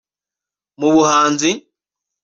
) mu buhanzi